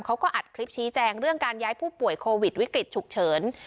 เขาก็อัดคลิปชี้แจงเรื่องการย้ายผู้ป่วยโควิดวิกฤตฉุกเฉิน